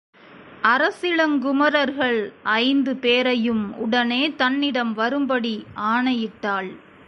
அரசிளங்குமரர்கள் ஐந்து பேரையும் உடனே தன்னிடம் வரும்படி ஆணையிட்டாள்.